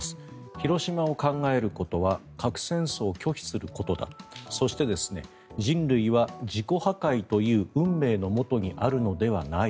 広島を考えることは核戦争を拒否することだそして、人類は自己破壊という運命のもとにあるのではない。